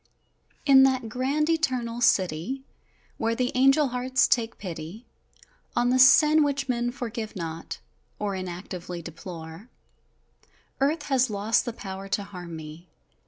In that grand, Eternal City, Where the angel hearts take pity On the sin which men forgive not, Or inactively deplore, Earth has lost the power to harm me!